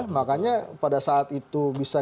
makanya pada saat itu bisa